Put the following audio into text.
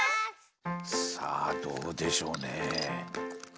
さあどうでしょうねえ。